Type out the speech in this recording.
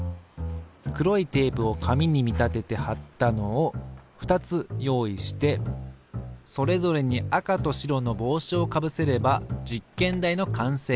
黒いテープをかみに見立ててはったのを２つ用意してそれぞれに赤と白の帽子をかぶせれば実験台の完成。